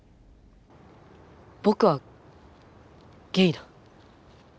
僕はゲイだ。